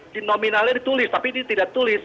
di nominalnya ditulis tapi ini tidak ditulis